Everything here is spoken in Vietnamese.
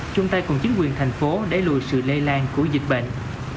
chúng ta cùng chính quyền thành phố đẩy lùi sự lây lan của dịch bệnh